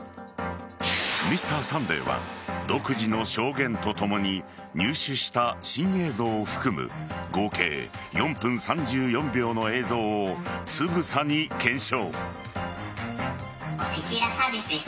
「Ｍｒ．サンデー」は独自の証言とともに入手した新映像を含む合計４分３４秒の映像をつぶさに検証。